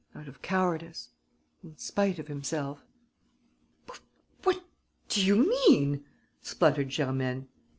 out of cowardice ... in spite of himself...." "What do you mean?" spluttered Germaine.